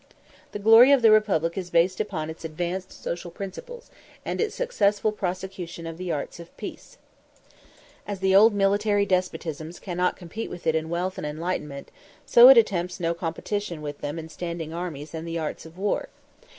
The glory of the republic is based upon its advanced social principles and its successful prosecution of the arts of peace. As the old military despotisms cannot compete with it in wealth and enlightenment, so it attempts no competition with them in standing armies and the arts of war.